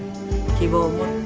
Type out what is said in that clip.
希望を持って。